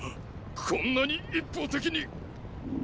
こんなに一方的に！